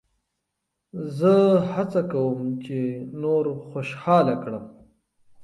زه هڅه کوم، چي نور خوشحاله کړم.